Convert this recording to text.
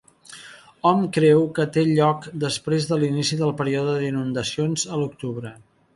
Hom creu que té lloc després de l'inici del període d'inundacions a l'octubre.